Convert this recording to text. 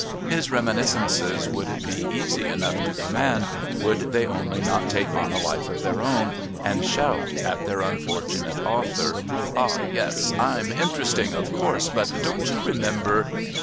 His reminiscences would be easy enough to command would they only not take on a life of their own and shout at their unfortunate author: "Ah! yes. I'm interesting, of course, but don't you remember...?"